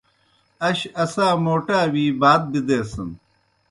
اش اسا موٹا وی بات بِدَیسَن۔